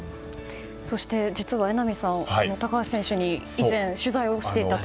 そして、実は榎並さん高橋選手に以前、取材をしていたと。